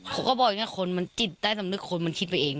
เขาก็บอกอย่างนี้คนมันจิตใต้สำนึกคนมันคิดไปเอง